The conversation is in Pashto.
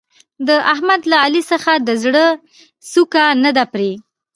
د احمد له علي څخه د زړه څوکه نه ده پرې.